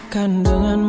aku akan mencintaimu